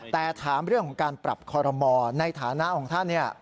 แต่ถามเรื่องของการปรับคอรมอลในฐานะของท่าน